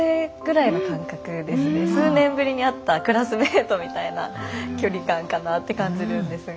数年ぶりに会ったクラスメートみたいな距離感かなって感じるんですが。